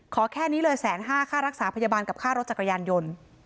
แค่นี้เลยแสนห้าค่ารักษาพยาบาลกับค่ารถจักรยานยนต์